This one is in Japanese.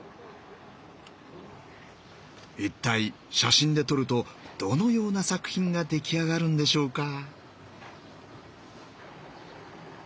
一体写真で撮るとどのような作品が出来上がるんでしょうか。